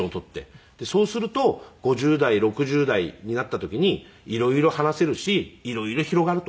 「そうすると５０代６０代になった時に色々話せるし色々広がる」と。